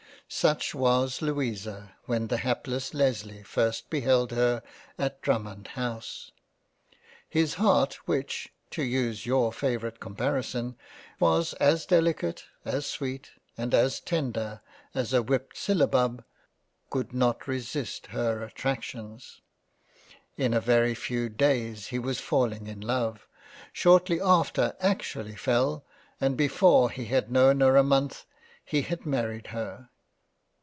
Such was Louisa when the hapless Lesley first beheld her at Drummond house. His heart which (to use your favourite comparison) was as delicate as sweet and as tender as a Whipt syllabub, could not resist her attractions. In a very few Days, he was falling in love, shortly after actually fell, and before he had known her a Month, he had married her.